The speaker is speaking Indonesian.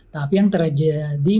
tapi yang terjadi